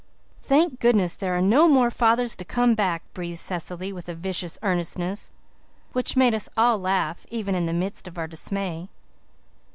"Thank goodness there are no more fathers to come back," breathed Cecily with a vicious earnestness that made us all laugh, even in the midst of our dismay.